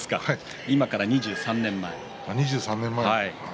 今から２３年前です。